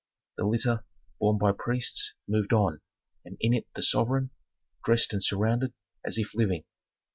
The litter, borne by priests, moved on, and in it the sovereign, dressed and surrounded, as if living.